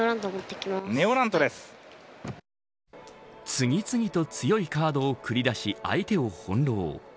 次々と強いカードを繰り出し相手を翻弄。